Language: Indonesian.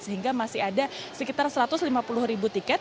sehingga masih ada sekitar satu ratus lima puluh ribu tiket